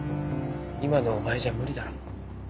今のお前じゃ無理だろ。